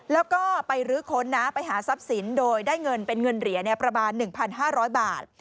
แล้วก็ไปรื้อค้นนะไปหาทรัพย์สินโดยได้เงินเป็นเงินเหรียญประมาณ๑๕๐๐บาท